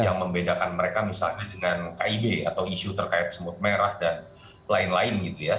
yang membedakan mereka misalnya dengan kib atau isu terkait semut merah dan lain lain gitu ya